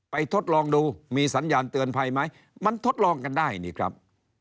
ทดลองดูมีสัญญาณเตือนภัยไหมมันทดลองกันได้นี่ครับ